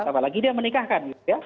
apalagi dia menikahkan ya